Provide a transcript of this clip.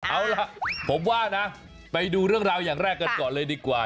เอาล่ะผมว่านะไปดูเรื่องราวอย่างแรกกันก่อนเลยดีกว่า